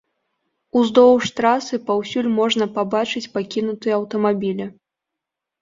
Уздоўж трасы паўсюль можна пабачыць пакінутыя аўтамабілі.